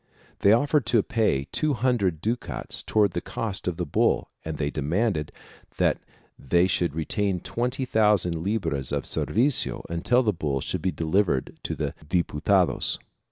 They offered to pay two hundred ducats towards the cost of the bull and they demanded that they should retain twenty thousand libras of the servicio until the bull should be delivered to the Diputaclos.